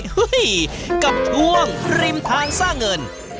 หึฮี่กับช่วงริมทางซ่าเงิน